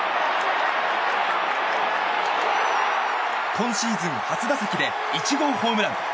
今シーズン初打席で１号ホームラン！